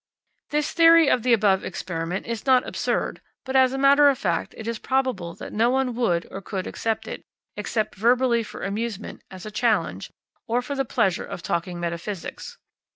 This theory of the above experiment is not absurd; but, as a matter of fact, it is probable that no one would or could accept it, except verbally for amusement, as a challenge, or for the pleasure of talking metaphysics.